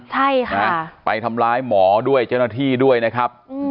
ใช่ค่ะไปทำร้ายหมอด้วยเจ้าหน้าที่ด้วยนะครับ